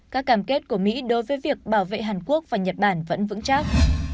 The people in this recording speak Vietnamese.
các cam kết của mỹ đối với việc bảo vệ hàn quốc và nhật bản vẫn vững chắc